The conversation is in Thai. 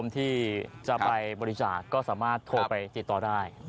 ที่จะไปบริจาคก็สามารถโทรไปติดต่อได้